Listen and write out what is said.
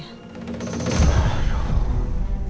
nggak aktif lagi telfonnya